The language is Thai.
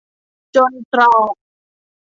จนตรอก